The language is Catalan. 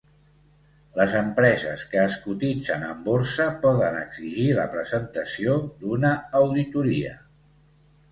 Les empreses que es cotitzen en borsa poden exigir la presentació d'una auditoria.